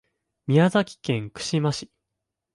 宮崎県串間市